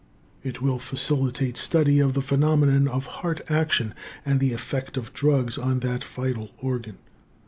It will facilitate study of the phenomena of heart action and the effect of drugs on that vital organ.